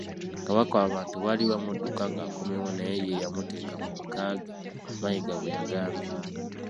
“Kabaka abantu baali bamudduka ng’akomyewo naye ye yamuteeka mu maka ke,” Mayiga bwe yagambye.